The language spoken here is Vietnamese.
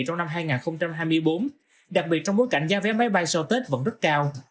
trong năm hai nghìn hai mươi bốn đặc biệt trong bối cảnh giá vé máy bay sau tết vẫn rất cao